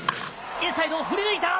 インサイド、振り抜いた。